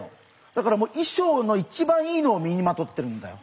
だからもう衣装のいちばんいいのを身にまとってるんだよ。